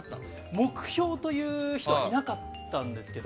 目標という人はいなかったんですけど